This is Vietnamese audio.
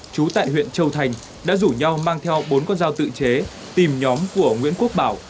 chú tại huyện châu thành đã rủ nhau mang theo bốn con dao tự chế tìm nhóm của nguyễn quốc bảo